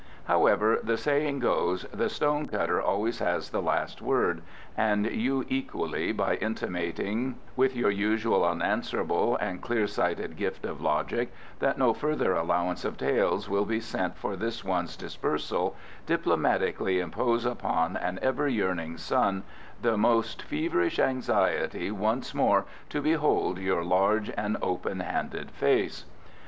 However, the saying runs, "The stone cutter always has the last word," and you equally, by intimating with your usual unanswerable and clear sighted gift of logic that no further allowance of taels will be sent for this one's dispersal, diplomatically impose upon an ever yearning son the most feverish anxiety once more to behold your large and open handed face.